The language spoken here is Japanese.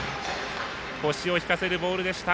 腰を引かせるボールでした。